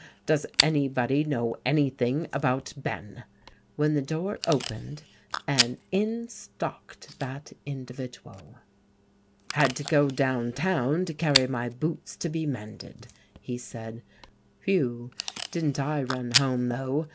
Does anybody know anything about Ben?" when the door opened, and in stalked that individual. "Had to go down town to carry my boots to be mended," he said. "Whew, didn't I run home, though!